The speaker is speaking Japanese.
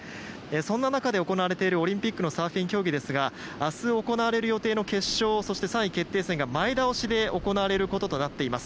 そんな中で行われているオリンピックのサーフィン競技ですが明日行われる予定の決勝そして３位決定戦が前倒しで行われることとなっています。